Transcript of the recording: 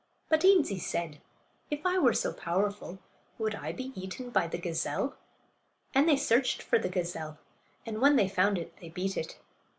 But Eenzee said, "If I were so powerful would I be eaten by the gazelle?" And they searched for the gazelle, and when they found it they beat it.